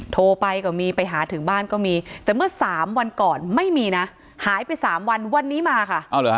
โทรไปก็มีไปหาถึงบ้านก็มีแต่เมื่อ๓วันก่อนไม่มีนะหายไป๓วันวันนี้มาค่ะ